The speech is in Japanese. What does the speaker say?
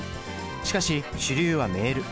しかし主流はメール。